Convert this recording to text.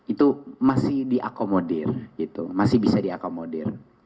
itu masih diakomodir gitu masih bisa diakomodir